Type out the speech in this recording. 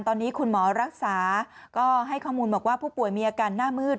ตอนนี้คุณหมอรักษาก็ให้ข้อมูลบอกว่าผู้ป่วยมีอาการหน้ามืด